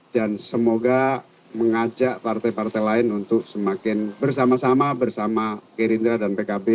dan semoga mengajak partai partai lain untuk semakin bersama sama bersama kirindra dan pkb